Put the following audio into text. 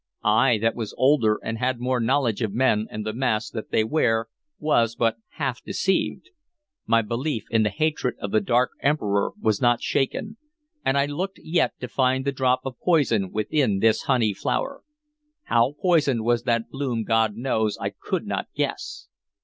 I that was older, and had more knowledge of men and the masks that they wear, was but half deceived. My belief in the hatred of the dark Emperor was not shaken, and I looked yet to find the drop of poison within this honey flower. How poisoned was that bloom God knows I could not guess!